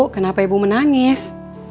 kenapa ibu menangis